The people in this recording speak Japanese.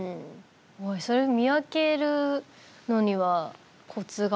それ見分けるのにはコツがあるんですか。